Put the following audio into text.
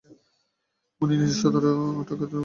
মুনির নিজেও সতের টাকার কোনো সমাধান করতে পারল না।